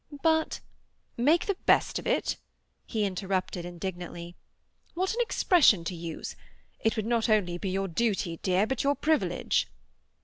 But——" "Make the best of it!" he interrupted indignantly. "What an expression to use! It would not only be your duty, dear, but your privilege!"